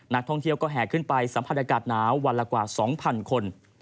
นักท่องเที่ยวก็แห่ขึ้นไปสัมผัสอากาศหนาววันละกว่า๒๐๐คน